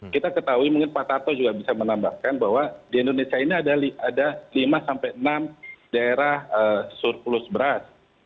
kita ketahui mungkin pak tarto juga bisa menambahkan bahwa di indonesia ini ada lima sampai enam daerah surplus beras